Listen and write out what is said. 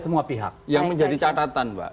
semua pihak yang menjadi catatan mbak